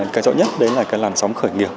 cái rõ nhất đấy là cái làn sóng khởi nghiệp